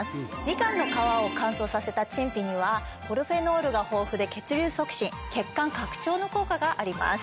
ミカンの皮を乾燥させた陳皮にはポリフェノールが豊富で血流促進血管拡張の効果があります。